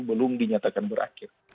belum dinyatakan berakhir